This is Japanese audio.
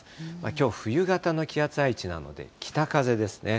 きょう、冬型の気圧配置なので北風ですね。